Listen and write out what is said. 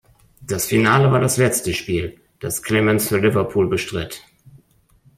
Das Finale war das letzte Spiel, das Clemence für Liverpool bestritt.